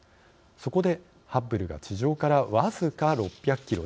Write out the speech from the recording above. そこで、ハッブルが地上から僅か６００キロ